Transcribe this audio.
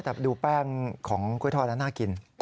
ไม่แต่ดูแป้งของกล้วยทอดน่ากิน